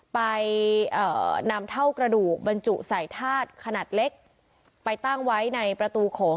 ไปนำเท่ากระดูกบรรจุใส่ธาตุขนาดเล็กไปตั้งไว้ในประตูโขง